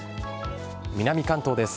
南関東です。